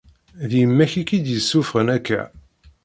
D yemma-k i k-id-yessufɣen akka.